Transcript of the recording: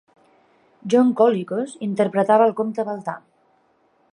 John Colicos interpretava el comte Baltar.